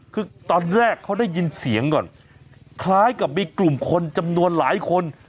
คือตอนแรกเขาได้ยินเสียงก่อนคล้ายกับมีกลุ่มคนจำนวนหลายคน